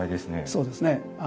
そうですね。